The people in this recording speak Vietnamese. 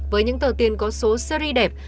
với những tờ tiền có số series đẹp